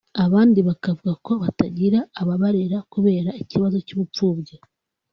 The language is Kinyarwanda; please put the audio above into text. abandi bakavuga ko batangira aba barera kubera ikibazo cy’ubupfubyi